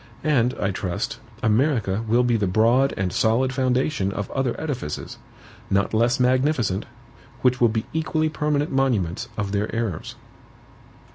And, I trust, America will be the broad and solid foundation of other edifices, not less magnificent, which will be equally permanent monuments of their errors.